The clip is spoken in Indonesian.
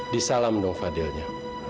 di salam dong fadilnya